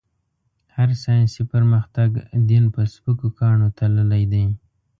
هر ساينسي پرمختګ؛ دين په سپکو کاڼو تللی دی.